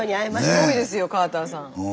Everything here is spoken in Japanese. すごいですよカーターさん。